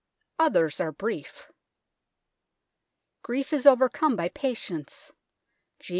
Others are brief. " Grief is overcome by patience. G.